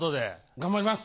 頑張ります。